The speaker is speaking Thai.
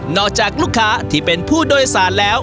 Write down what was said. จากลูกค้าที่เป็นผู้โดยสารแล้ว